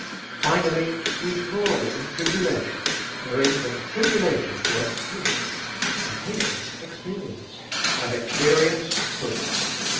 Finally, "we glory in tribulation, knowing that tribulation worketh patience, and patience experience, and experience hope."